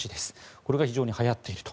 これが非常にはやっていると。